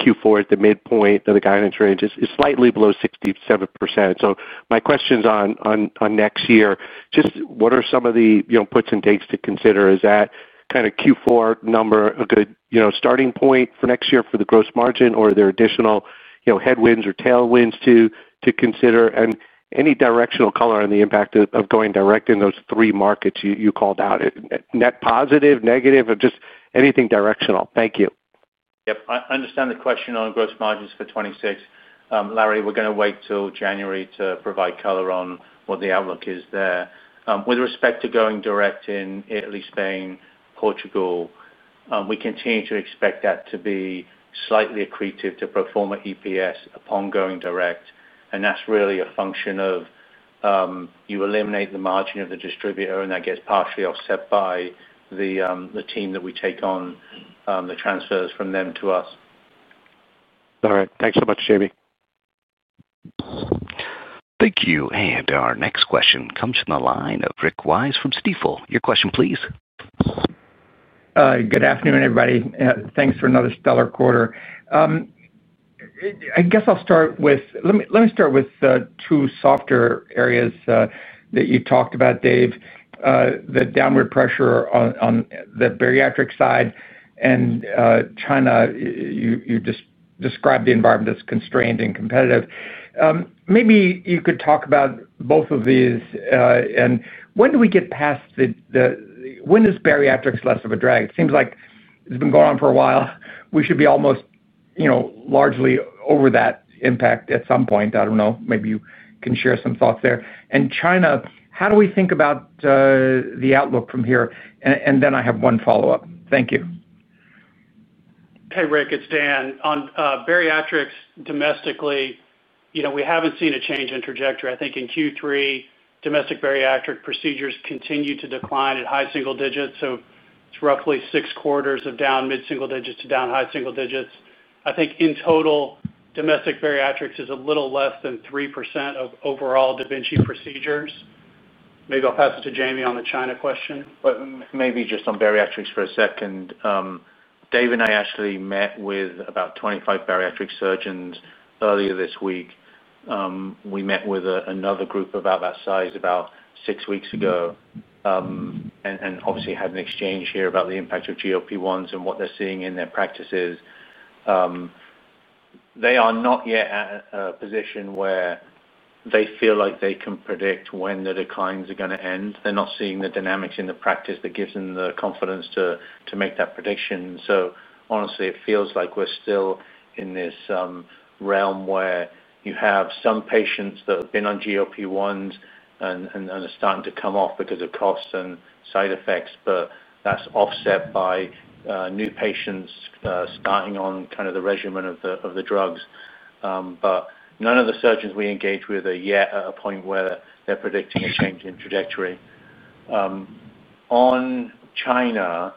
Q4 at the midpoint of the guidance range is slightly below 67%. My question is on next year. Just what are some of the puts and takes to consider? Is that kind of Q4 number a good starting point for next year for the gross margin, or are there additional headwinds or tailwinds to consider? Any directional color on the impact of going direct in those three markets you called out? Net positive, negative, or just anything directional? Thank you. I understand the question on gross margins for 2026. Larry, we're going to wait till January to provide color on what the outlook is there. With respect to going direct in Italy, Spain, Portugal, we continue to expect that to be slightly accretive to pro forma EPS upon going direct. That is really a function of you eliminate the margin of the distributor, and that gets partially offset by the team that we take on the transfers from them to us. All right. Thanks so much, Jamie. Thank you. Our next question comes from the line of Rick Wise from Stifel. Your question, please. Good afternoon, everybody. Thanks for another stellar quarter. I guess I'll start with the two softer areas that you talked about, Dave, the downward pressure on the bariatric side and China. You just described the environment that's constrained and competitive. Maybe you could talk about both of these. When do we get past the, when is bariatrics less of a drag? It seems like it's been going on for a while. We should be almost, you know, largely over that impact at some point. I don't know. Maybe you can share some thoughts there. China, how do we think about the outlook from here? I have one follow-up. Thank you. Hey, Rick. It's Dan. On bariatrics domestically, we haven't seen a change in trajectory. I think in Q3, domestic bariatric procedures continue to decline at high single digits. It's roughly six quarters of down mid-single digits to down high single digits. I think in total, domestic bariatrics is a little less than 3% of overall Da Vinci procedures. Maybe I'll pass it to Jamie on the China question. Maybe just on bariatrics for a second. Dave and I actually met with about 25 bariatric surgeons earlier this week. We met with another group about that size about six weeks ago. Obviously, had an exchange here about the impact of GLP-1s and what they're seeing in their practices. They are not yet at a position where they feel like they can predict when the declines are going to end. They're not seeing the dynamics in the practice that gives them the confidence to make that prediction. Honestly, it feels like we're still in this realm where you have some patients that have been on GLP-1s and are starting to come off because of costs and side effects. That's offset by new patients starting on kind of the regimen of the drugs. None of the surgeons we engage with are yet at a point where they're predicting a change in trajectory. On China,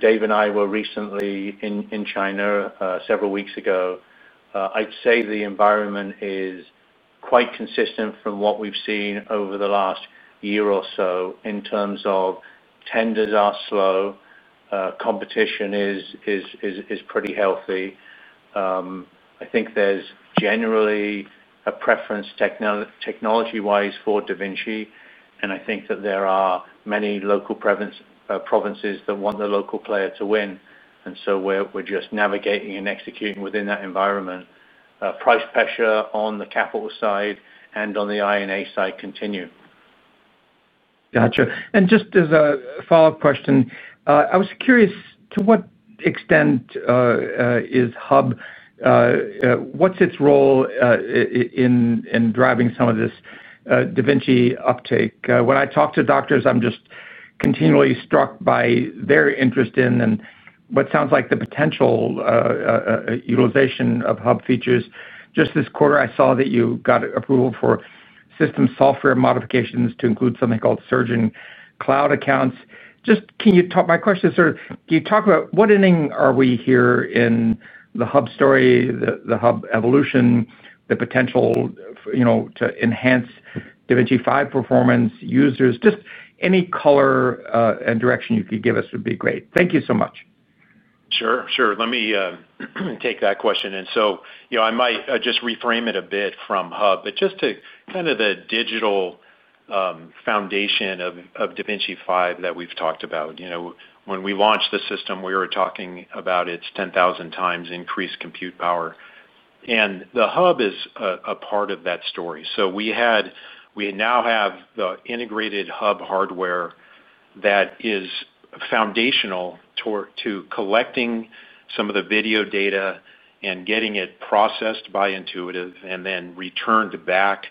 Dave and I were recently in China several weeks ago. I'd say the environment is quite consistent from what we've seen over the last year or so in terms of tenders are slow. Competition is pretty healthy. I think there's generally a preference technology-wise for Da Vinci. I think that there are many local provinces that want the local player to win. We're just navigating and executing within that environment. Price pressure on the capital side and on the INA side continue. Gotcha. Just as a follow-up question, I was curious to what extent is Intuitive Hub, what's its role in driving some of this Da Vinci uptake? When I talk to doctors, I'm just continually struck by their interest in and what sounds like the potential utilization of Intuitive Hub features. Just this quarter, I saw that you got approval for system software modifications to include something called surgeon cloud accounts. Can you talk, my question is sort of, can you talk about what ending are we here in the Intuitive Hub story, the Intuitive Hub evolution, the potential, you know, to enhance Da Vinci 5 performance users? Any color and direction you could give us would be great. Thank you so much. Sure. Let me take that question. I might just reframe it a bit from hub, but just to kind of the digital foundation of Da Vinci 5 that we've talked about. When we launched the system, we were talking about its 10,000 times increased compute power, and the hub is a part of that story. We now have the integrated hub hardware that is foundational to collecting some of the video data and getting it processed by Intuitive and then returned back to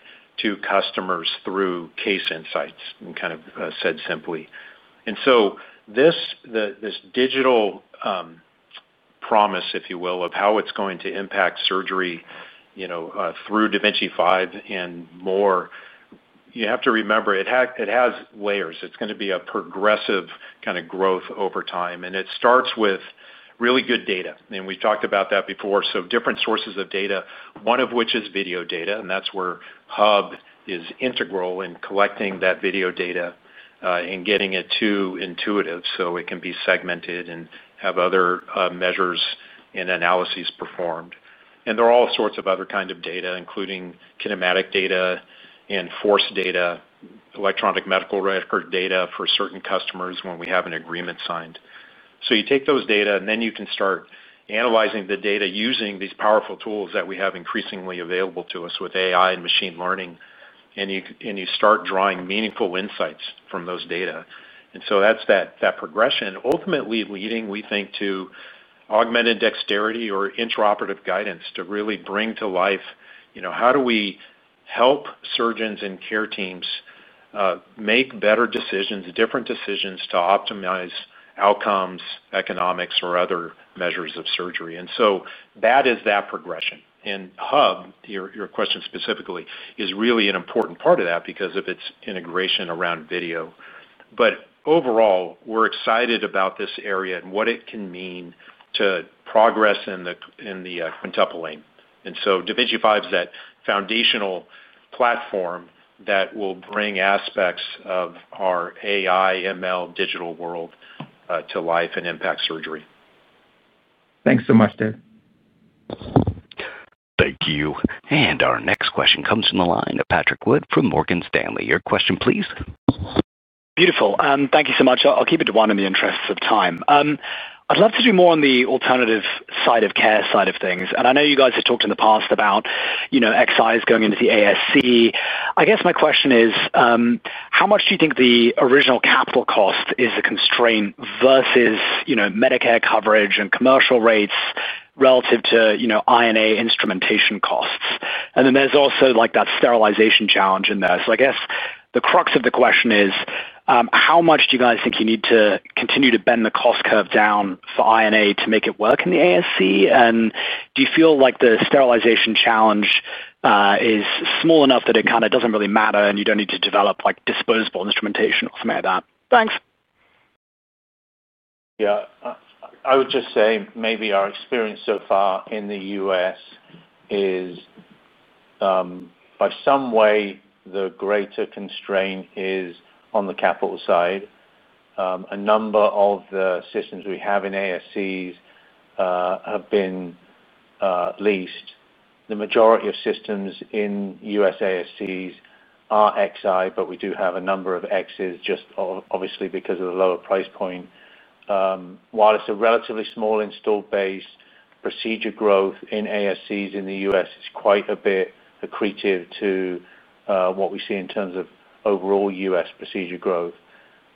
customers through case insights, kind of said simply. This digital promise, if you will, of how it's going to impact surgery through Da Vinci 5 and more, you have to remember it has layers. It's going to be a progressive kind of growth over time, and it starts with really good data. We've talked about that before. Different sources of data, one of which is video data, and that's where hub is integral in collecting that video data and getting it to Intuitive so it can be segmented and have other measures and analyses performed. There are all sorts of other kinds of data, including kinematic data and force data, electronic medical record data for certain customers when we have an agreement signed. You take those data, and then you can start analyzing the data using these powerful tools that we have increasingly available to us with AI and machine learning. You start drawing meaningful insights from those data, and that's that progression. Ultimately, leading, we think, to augmented dexterity or intraoperative guidance to really bring to life how do we help surgeons and care teams make better decisions, different decisions to optimize outcomes, economics, or other measures of surgery. That is that progression. Hub, your question specifically, is really an important part of that because of its integration around video. Overall, we're excited about this area and what it can mean to progress in the quintuple lane. Da Vinci 5 is that foundational platform that will bring aspects of our AI/ML digital world to life and impact surgery. Thanks so much, Dave. Thank you. Our next question comes from the line of Patrick Wood from Morgan Stanley. Your question, please. Beautiful. Thank you so much. I'll keep it to one in the interest of time. I'd love to do more on the alternative side of care side of things. I know you guys have talked in the past about, you know, Xi's going into the ambulatory surgery centers. I guess my question is, how much do you think the original capital cost is a constraint versus, you know, Medicare coverage and commercial rates relative to, you know, Ion instrumentation costs? There's also like that sterilization challenge in there. I guess the crux of the question is, how much do you guys think you need to continue to bend the cost curve down for Ion to make it work in the ambulatory surgery centers? Do you feel like the sterilization challenge is small enough that it kind of doesn't really matter and you don't need to develop like disposable instrumentation or something like that? Thanks. Yeah, I would just say maybe our experience so far in the U.S. is by some way the greater constraint is on the capital side. A number of the systems we have in ambulatory surgery centers have been leased. The majority of systems in U.S. ambulatory surgery centers are Xi, but we do have a number of Xs just obviously because of the lower price point. While it's a relatively small installed base, procedure growth in ambulatory surgery centers in the U.S. is quite a bit accretive to what we see in terms of overall U.S. procedure growth.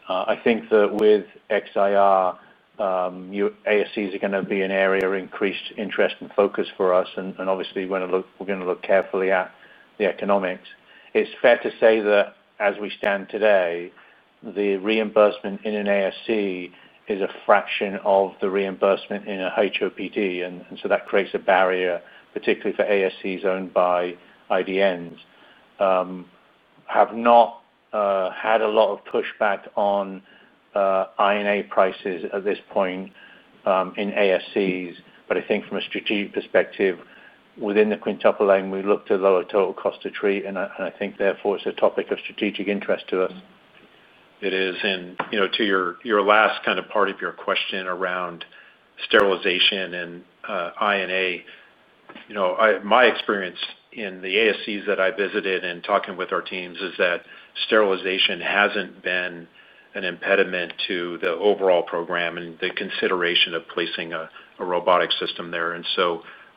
I think that with Xi refurbished, ambulatory surgery centers are going to be an area of increased interest and focus for us. Obviously, we're going to look carefully at the economics. It's fair to say that as we stand today, the reimbursement in an ambulatory surgery center is a fraction of the reimbursement in a hospital outpatient department. That creates a barrier, particularly for ambulatory surgery centers owned by integrated delivery networks. I have not had a lot of pushback on Ion prices at this point in ambulatory surgery centers, but I think from a strategic perspective, within the quintuple lane, we look to lower total cost to treat. I think therefore, it's a topic of strategic interest to us. It is. To your last kind of part of your question around sterilization and INA, my experience in the ambulatory surgery centers that I visited and talking with our teams is that sterilization hasn't been an impediment to the overall program and the consideration of placing a robotic system there.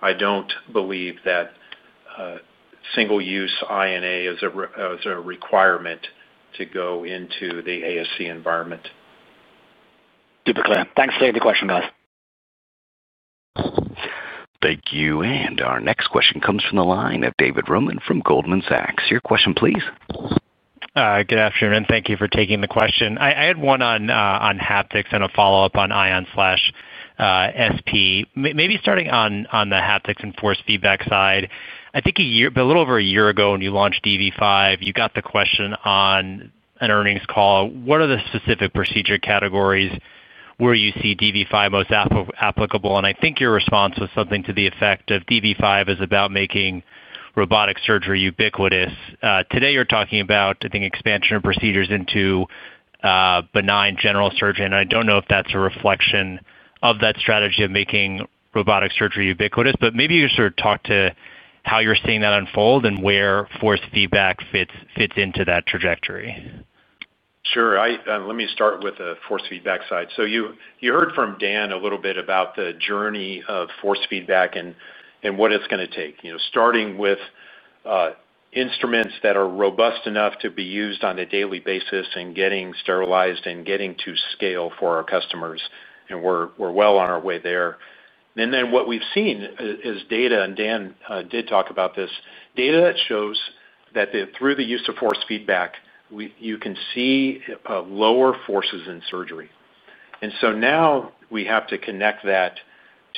I don't believe that single-use INA is a requirement to go into the ambulatory surgery center environment. Super clear. Thanks, Dave. The question goes. Thank you. Our next question comes from the line of David Roman from Goldman Sachs. Your question, please. Good afternoon, and thank you for taking the question. I had one on haptics and a follow-up on Ion/SP. Maybe starting on the haptics and force feedback side, I think a little over a year ago when you launched Da Vinci 5, you got the question on an earnings call. What are the specific procedure categories where you see Da Vinci 5 most applicable? I think your response was something to the effect of Da Vinci 5 is about making robotic surgery ubiquitous. Today, you're talking about, I think, expansion of procedures into benign general surgery. I don't know if that's a reflection of that strategy of making robotic surgery ubiquitous, but maybe you could sort of talk to how you're seeing that unfold and where force feedback fits into that trajectory. Sure. Let me start with the force feedback side. You heard from Dan a little bit about the journey of force feedback and what it's going to take, starting with instruments that are robust enough to be used on a daily basis and getting sterilized and getting to scale for our customers. We're well on our way there. What we've seen is data, and Dan did talk about this, data that shows that through the use of force feedback, you can see lower forces in surgery. Now we have to connect that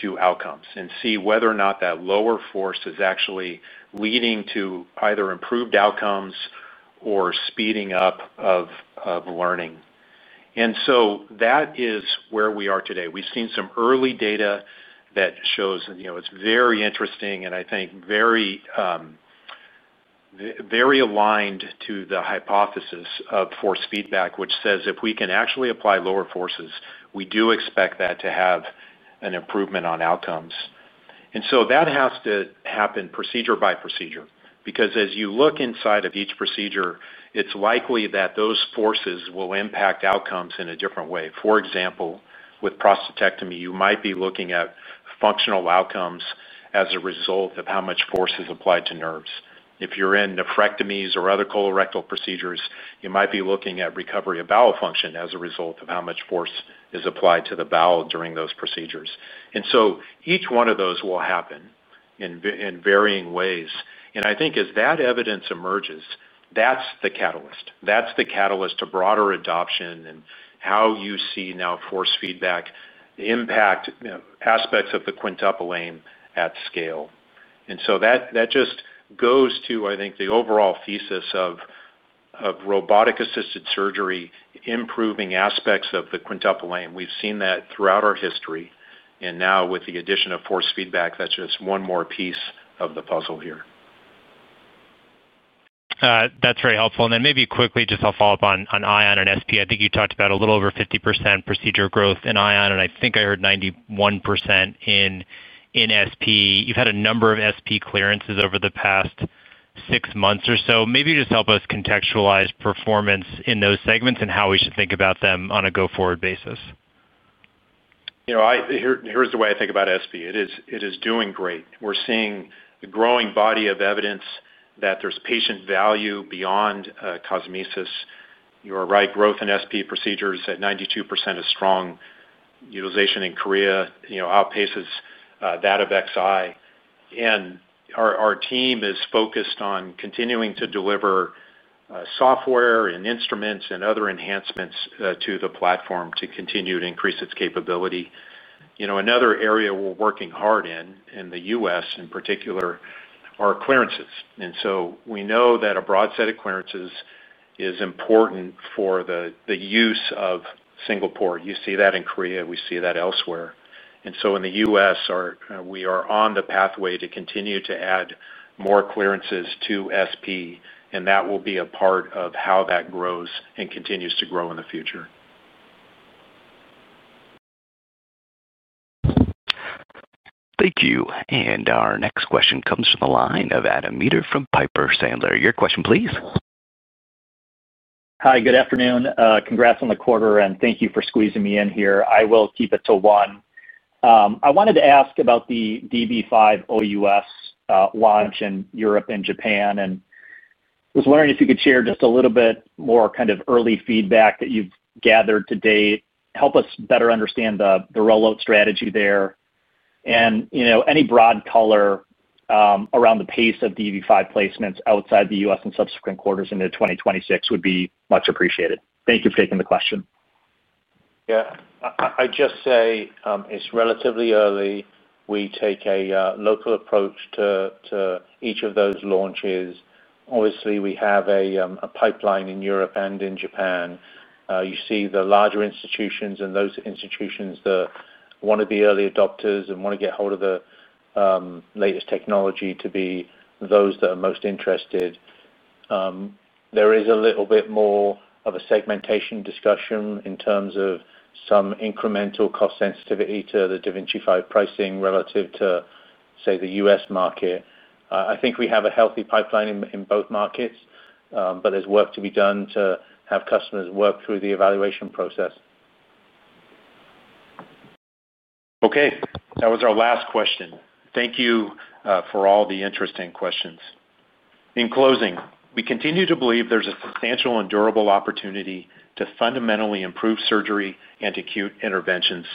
to outcomes and see whether or not that lower force is actually leading to either improved outcomes or speeding up of learning. That is where we are today. We've seen some early data that shows it's very interesting and I think very aligned to the hypothesis of force feedback, which says if we can actually apply lower forces, we do expect that to have an improvement on outcomes. That has to happen procedure by procedure because as you look inside of each procedure, it's likely that those forces will impact outcomes in a different way. For example, with prostatectomy, you might be looking at functional outcomes as a result of how much force is applied to nerves. If you're in nephrectomies or other colorectal procedures, you might be looking at recovery of bowel function as a result of how much force is applied to the bowel during those procedures. Each one of those will happen in varying ways. I think as that evidence emerges, that's the catalyst. That's the catalyst to broader adoption and how you see now force feedback impact aspects of the quintuple lane at scale. That just goes to, I think, the overall thesis of robotic-assisted surgery improving aspects of the quintuple lane. We've seen that throughout our history. Now with the addition of force feedback, that's just one more piece of the puzzle here. That's very helpful. Maybe quickly, I'll follow up on Ion and SP. I think you talked about a little over 50% procedure growth in Ion, and I think I heard 91% in SP. You've had a number of SP clearances over the past six months or so. Maybe you just help us contextualize performance in those segments and how we should think about them on a go-forward basis. Here's the way I think about SP. It is doing great. We're seeing a growing body of evidence that there's patient value beyond cosmesis. You are right, growth in SP procedures at 92% is strong. Utilization in Korea outpaces that of Xi. Our team is focused on continuing to deliver software and instruments and other enhancements to the platform to continue to increase its capability. Another area we're working hard in, in the U.S. in particular, are clearances. We know that a broad set of clearances is important for the use of SP. You see that in Korea. We see that elsewhere. In the U.S., we are on the pathway to continue to add more clearances to SP. That will be a part of how that grows and continues to grow in the future. Thank you. Our next question comes from the line of Adam Maeder from Piper Sandler. Your question, please. Hi, good afternoon. Congrats on the quarter, and thank you for squeezing me in here. I will keep it to one. I wanted to ask about the Da Vinci 5 OUS launch in Europe and Japan. I was wondering if you could share just a little bit more kind of early feedback that you've gathered to date. Help us better understand the rollout strategy there. Any broad color around the pace of Da Vinci 5 placements outside the U.S. in subsequent quarters into 2026 would be much appreciated. Thank you for taking the question. Yeah, I'd just say it's relatively early. We take a local approach to each of those launches. Obviously, we have a pipeline in Europe and in Japan. You see the larger institutions and those institutions that want to be early adopters and want to get hold of the latest technology to be those that are most interested. There is a little bit more of a segmentation discussion in terms of some incremental cost sensitivity to the Da Vinci 5 pricing relative to, say, the U.S. market. I think we have a healthy pipeline in both markets, but there's work to be done to have customers work through the evaluation process. Okay. That was our last question. Thank you for all the interesting questions. In closing, we continue to believe there's a substantial and durable opportunity to fundamentally improve surgery and acute interventions.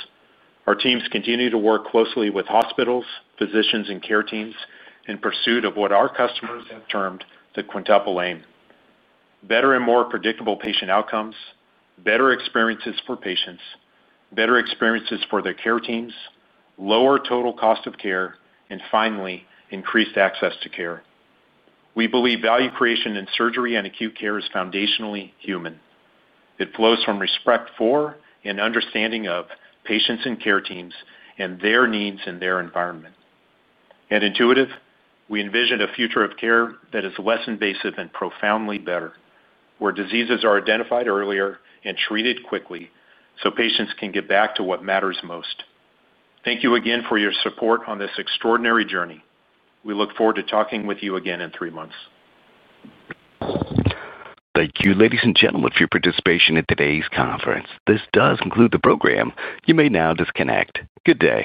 Our teams continue to work closely with hospitals, physicians, and care teams in pursuit of what our customers have termed the quintuple lane: better and more predictable patient outcomes, better experiences for patients, better experiences for their care teams, lower total cost of care, and finally, increased access to care. We believe value creation in surgery and acute care is foundationally human. It flows from respect for and understanding of patients and care teams and their needs in their environment. At Intuitive Surgical, we envision a future of care that is less invasive and profoundly better, where diseases are identified earlier and treated quickly so patients can get back to what matters most. Thank you again for your support on this extraordinary journey. We look forward to talking with you again in three months. Thank you, ladies and gentlemen, for your participation in today's conference. This does conclude the program. You may now disconnect. Good day.